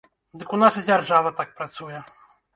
Дык у нас і дзяржава так працуе.